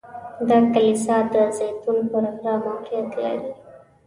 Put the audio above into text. دا کلیسا د زیتون پر غره موقعیت لري.